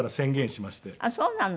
あっそうなの。